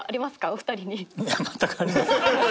お二人に。